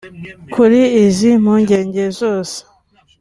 Kuri izi mpungenge zose